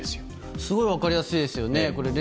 すごく分かりやすいですね。